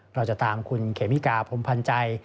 เราจะตามคุณเขมิกาพรมพันธ์ใจ